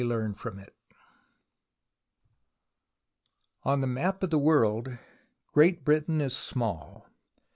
CHAPTER XV ON the map of the world, Great Britain is small.